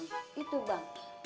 hmm itu bang